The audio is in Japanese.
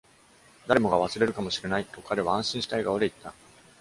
「誰もが忘れるかもしれない」と彼は安心した笑顔で言った。